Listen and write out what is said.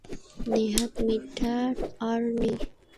নেহাত মিথ্যে ঠাওরায় নি।